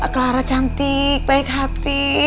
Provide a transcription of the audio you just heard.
clara cantik baik hati